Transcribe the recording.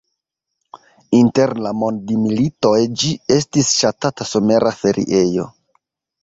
Inter la mondmilitoj ĝi estis ŝatata somera feriejo.